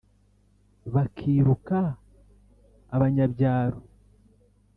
bakiruka abanyabyaro.